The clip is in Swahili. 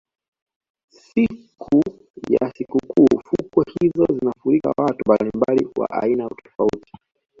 siku za sikukuu fukwe hizo zinafurika watu mbalimbali wa aina tofauti